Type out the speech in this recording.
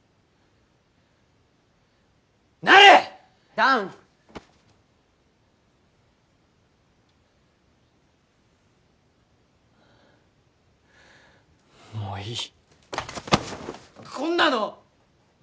弾もういいこんなの！